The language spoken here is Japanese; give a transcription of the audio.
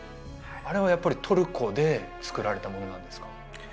あれはやっぱりトルコで作られたものなんですか？